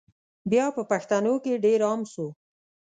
بیا په پښتنو کي ډېر عام سو